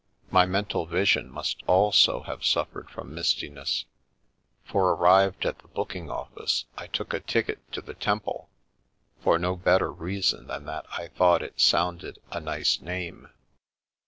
My mental vision must also have suffered from mistiness, for ar o~ Being Fey rived at the booking office, I took a ticket to the Tempi* for no better reason than that I thought it sounded . nice name.